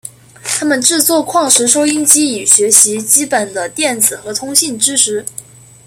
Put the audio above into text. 他们制作矿石收音机以学习基本的电子和通信知识。